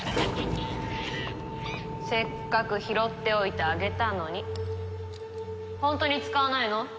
せっかく拾っておいてあげたのにホントに使わないの？